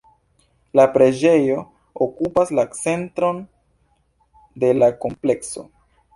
La preĝejo okupas la centron de la komplekso.